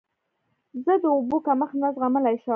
زه د اوبو کمښت نه زغملی شم.